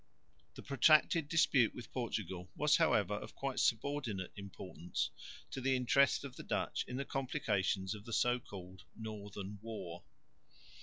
The protracted dispute with Portugal was however of quite subordinate importance to the interest of the Dutch in the complications of the so called Northern War.